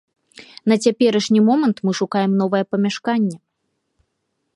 На цяперашні момант мы шукаем новае памяшканне.